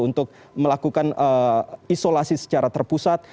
untuk melakukan isolasi secara terpusat